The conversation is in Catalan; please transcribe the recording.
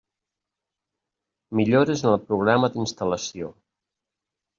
Millores en el programa d'instal·lació.